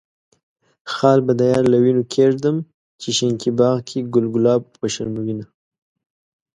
خال به د يار له وينو کيږدم، چې شينکي باغ کې ګل ګلاب وشرموينه.